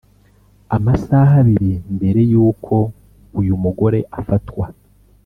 Amasaha abiri mbere y’uko uyu mugore afatwa